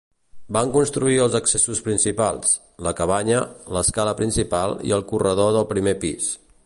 Van construir els accessos principals, la cabanya, l'escala principal i el corredor del primer pis.